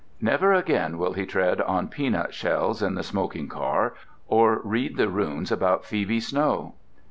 Never again will he tread on peanut shells in the smoking car or read the runes about Phoebe Snow.